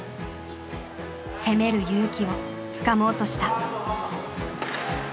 攻める勇気をつかもうとした。